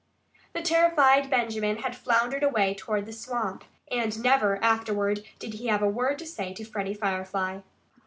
The terrified Benjamin had floundered away toward the swamp. And never, afterward, did he have a word to say to Freddie Firefly.